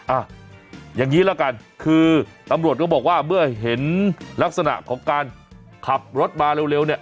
อ่ะอย่างนี้ละกันคือตำรวจก็บอกว่าเมื่อเห็นลักษณะของการขับรถมาเร็วเนี่ย